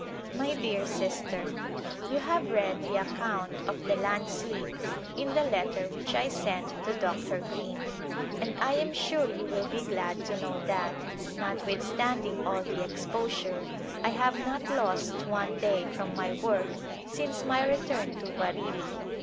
My dear Sister : You have read the account of the " Landslip " in the letter which I sent to Dr. Greene, and I am sure you will be glad to know that, notwithstanding all the exposure, I have not lost one day from my work since my return to Bareilly.